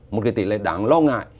một tỷ lệ đáng lo ngại